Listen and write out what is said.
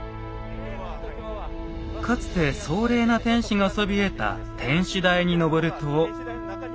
かつて壮麗な天守がそびえた天守台に上ると。